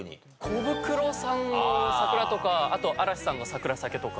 コブクロさんの『桜』とかあと嵐さんの『サクラ咲ケ』とか。